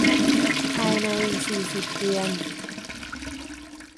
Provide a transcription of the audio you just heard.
ภายใน สี่สิบ เดือน